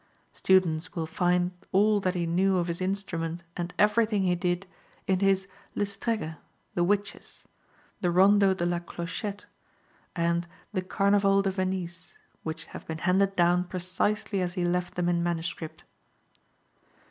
Students will find all that he knew of his instrument and everything he did in his Le Stregghe (The Witches), the Rondo de la Clochette, and the Carnaval de Venise, which have been handed down precisely as he left them in manuscript.